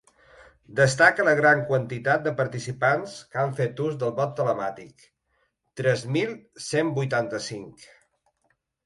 Destaca la gran quantitat de participants que han fet ús del vot telemàtic: tres mil cent vuitanta-cinc.